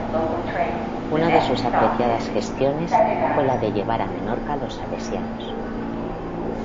Una de sus apreciadas gestiones fue la de llevar a Menorca a los salesianos.